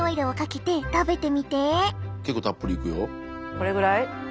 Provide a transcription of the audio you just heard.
これぐらい？